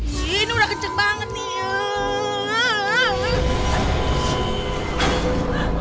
ih ini udah kenceng banget nih